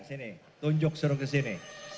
sini tunjuk suruh ke sini